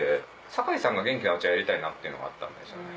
酒井さんが元気なうちはやりたいっていうのがあったんですよね。